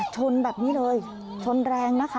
ชนแบบนี้เลยชนแรงนะคะ